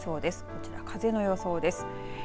こちら風の予想です。